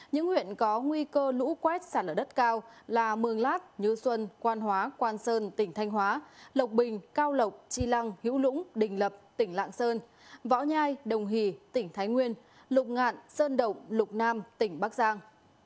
những huyện có nguy cơ lũ quét sạt lở đất cao là mường lát như xuân quan hóa quan sơn tỉnh thanh hóa lộc bình cao lộc chi lăng hữu lũng đình lập tỉnh lạng sơn võ nhai đồng hì tỉnh thái nguyên lục ngạn sơn động lục nam tỉnh bắc giang